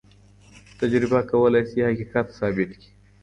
تجربه کولای سي حقيقت ثابت کړي.